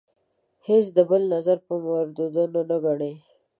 هیڅ د بل نظریه مرودوده نه ګڼي.